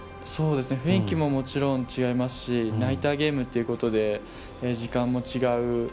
雰囲気ももちろん違いますしナイターゲームということで時間も違う。